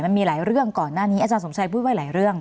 มันมีหลายเรื่องก่อนหน้านี้อาจารย์สมชัยพูดไว้หลายเรื่อง